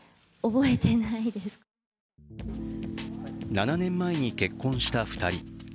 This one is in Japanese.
７年前に結婚した２人。